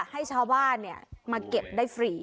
ให้ชาวบ้านมาเก็บได้ฟรี